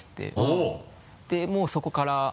でもうそこから。